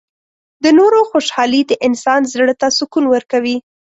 • د نورو خوشحالي د انسان زړۀ ته سکون ورکوي.